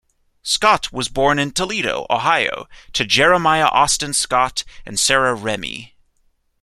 Scott was born in Toledo, Ohio, to Jeremiah Austin Scott and Sarah Remey.